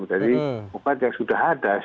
jadi obat yang sudah ada